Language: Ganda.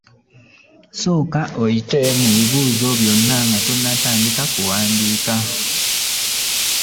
Sooka oyite mu bibuuzo byonna nga tonnatandika kuwandiika.